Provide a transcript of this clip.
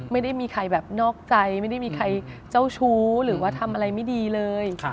ไม่ได้มีใครแบบนอกใจไม่ได้มีใครเจ้าชู้หรือว่าทำอะไรไม่ดีเลย